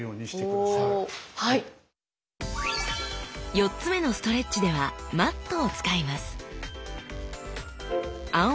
４つ目のストレッチではマットを使います